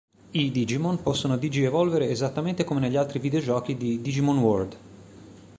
I Digimon possono digievolvere esattamente come negli altri videogiochi di "Digimon World".